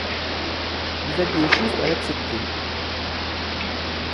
Vous aviez juste à l'accepter.